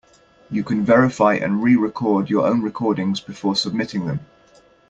You can verify and re-record your own recordings before submitting them.